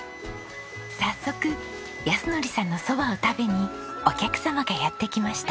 早速靖典さんの蕎麦を食べにお客様がやって来ました。